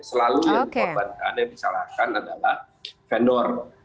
selalu yang diperbankan misalkan adalah vendor